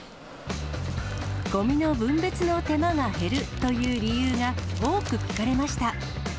ごみの分別の手間が減るという理由が多く聞かれました。